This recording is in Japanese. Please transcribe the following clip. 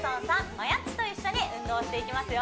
マヤっちと一緒に運動していきますよ